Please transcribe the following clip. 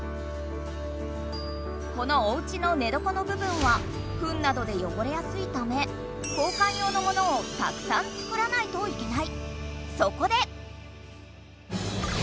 このおうちのねどこのぶぶんはフンなどでよごれやすいため交かん用のものをたくさん作らないといけない。